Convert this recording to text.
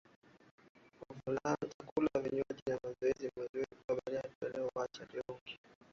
chakula na vinywaji ni mazoezi mazuri kukubali toleo Wacha tugeuke